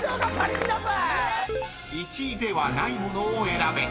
［１位ではないものを選べ］